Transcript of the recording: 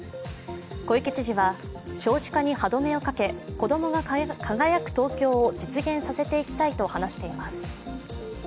小池知事は、少子化に歯止めをかけ子どもが輝く東京を実現させていきたいと話しています。